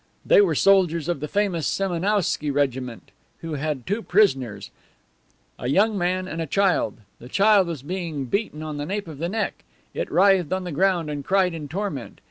They were soldiers of the famous Semenowsky regiment, who had two prisoners, a young man and a child. The child was being beaten on the nape of the neck. It writhed on the ground and cried in torment.